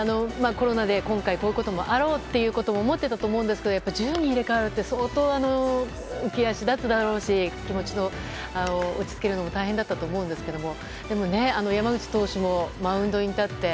コロナで今回こういうこともあろうということも思ってたと思うんですけど１０人入れ替えるって相当、浮足立つだろうし気持ちを落ち着けるのも大変だったと思うんですけれどもでも山口投手もマウンドに立って。